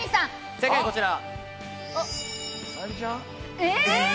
正解は、こちら。